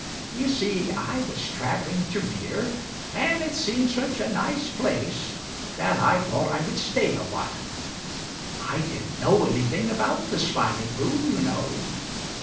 You see, I was traveling through here, and it seemed such a nice place, that I thought I would stay a while. I didn't know anything about the Smiling Pool, you know.